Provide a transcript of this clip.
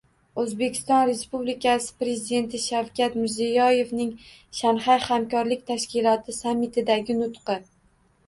O‘zbekiston Respublikasi Prezidenti Shavkat Mirziyoyevning Shanxay hamkorlik tashkiloti sammitidagi nutqi